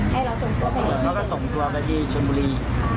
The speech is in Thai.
ให้เราส่งตัวไปเลยเขาก็ส่งตัวไปที่ชนบุรี